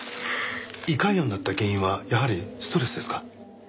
胃潰瘍になった原因はやはりストレスですか？